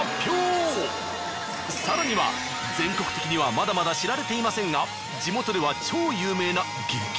更には全国的にはまだまだ知られていませんが地元では超有名な激